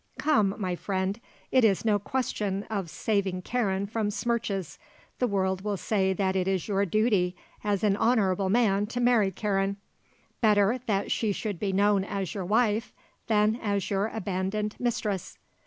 Come, my friend, it is no question of saving Karen from smirches; the world will say that it is your duty as an honourable man to marry Karen. Better that she should be known as your wife than as your abandoned mistress.